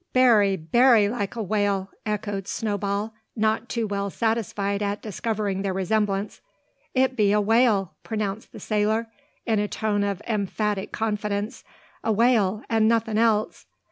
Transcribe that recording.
"Berry, berry like a whale!" echoed Snowball, not too well satisfied at discovering the resemblance. "It be a whale!" pronounced the sailor, in a tone of emphatic confidence, "a whale, an' nothin' else.